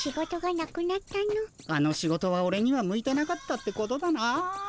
あの仕事はオレには向いてなかったってことだな。